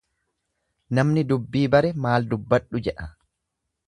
Namni dubbii bare maal dubbadhu jedha.